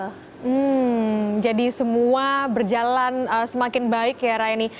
hmm jadi semua berjalan semakin baik ya raini